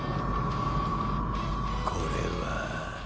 これは。